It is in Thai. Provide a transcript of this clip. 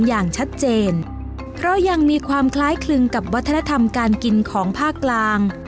อย่างชัดเจนเมื่อยังมีความคล้ายคลึงกับวัฒนธรรมการกินของ